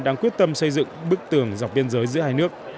đang quyết tâm xây dựng bức tường dọc biên giới giữa hai nước